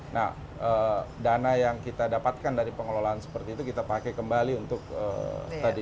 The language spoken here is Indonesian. nah dana yang kita dapatkan dari pengelolaan seperti itu kita pakai kembali untuk tadi